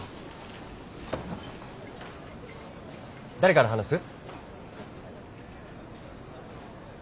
誰から話す？